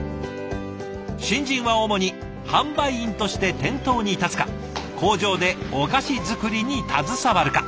新人は主に販売員として店頭に立つか工場でお菓子作りに携わるか。